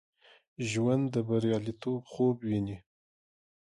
ژوندي د بریالیتوب خوب ویني